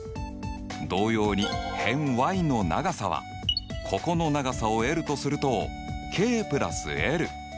同様に辺ｙの長さはここの長さをｌとするとｋ＋ｌ。